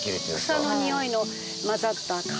草のにおいの混ざった風。